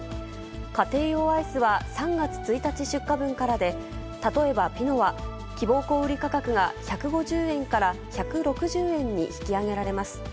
家庭用アイスは３月１日出荷分からで、例えばピノは、希望小売り価格が１５０円から１６０円に引き上げられます。